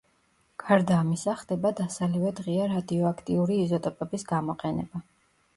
გარდა ამისა ხდება დასალევად ღია რადიოაქტიური იზოტოპების გამოყენება.